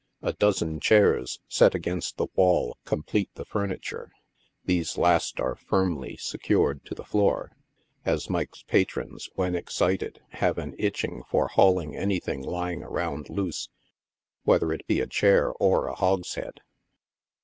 A dozen chairs, set against the wall, complete the furniture ; these last are firmly secured to the floor, as Mike's patrons, when excited, have an itch ing for hurling anything lying around loose, whether it be a chair or a hogshead.